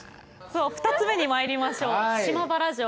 さあ２つ目にまいりましょう島原城。